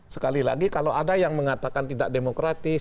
sekali lagi kalau ada yang mengatakan tidak demokratis